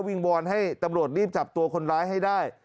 งวอนให้ตำรวจรีบจับตัวคนร้ายให้ได้